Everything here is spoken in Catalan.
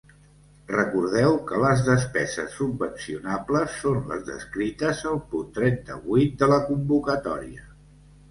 Recordeu que les despeses subvencionables són les descrites al punt trenta-vuit de la convocatòria.